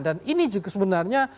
dan ini juga sebenarnya